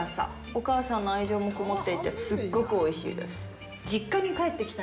お母さんの愛情もこもっていて、すっごくおいしいです！